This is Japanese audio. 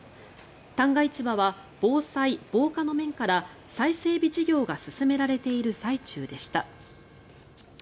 旦過市場は防災・防火の面から再整備事業が進められている最中でした。